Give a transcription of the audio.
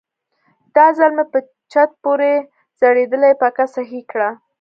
دا ځل مې په چت پورې ځړېدلې پکه سهي کړه.